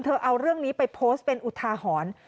เอาเรื่องนี้ไปโพสต์เป็นอุทาหรณ์